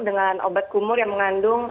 dengan obat kumur yang mengandung